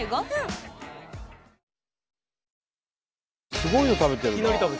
すごいの食べてるな。